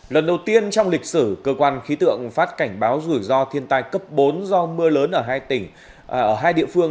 lần đầu tiên trong lịch sử cơ quan khí tượng phát cảnh báo rủi ro thiên tai cấp bốn do mưa lớn ở hai địa phương